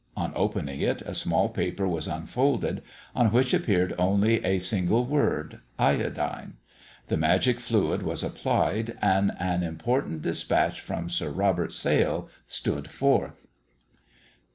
On opening it, a small paper was unfolded, on which appeared only a single word, "iodine." The magic liquid was applied, and an important dispatch from Sir Robert Sale stood forth.